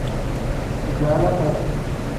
Bijaalakasi.